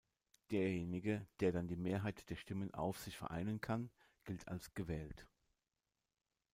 Derjenige der dann die Mehrheit der Stimmen auf sich vereinen kann gilt als gewählt.